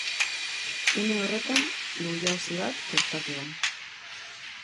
Une horretan, lur-jausi bat gertatu da.